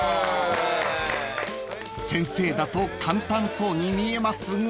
［先生だと簡単そうに見えますが］